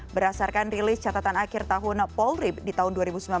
berdasarkan rilis catatan akhir tahun polri di tahun dua ribu sembilan belas